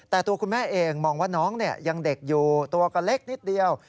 แต่ตัวคุณแม่เองมองว่าน้องยังเด็กอยู่ตัวก็เล็กนิดเดียว